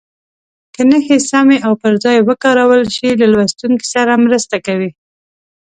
که نښې سمې او پر ځای وکارول شي له لوستونکي سره مرسته کوي.